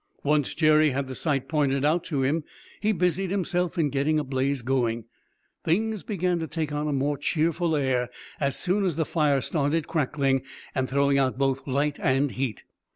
Once Jerry had the site pointed out to him, he busied himself in getting a blaze going. Things began to take on a more cheerful air as soon as the fire started crackling and throwing out both light and heat.